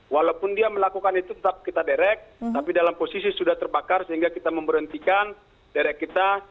walaupun dia melakukan itu tetap kita derek tapi dalam posisi sudah terbakar sehingga kita memberhentikan derek kita